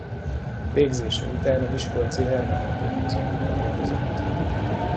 Végzése után a miskolci Herman Ottó Múzeumban dolgozott.